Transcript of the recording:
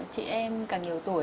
chị em càng nhiều tuổi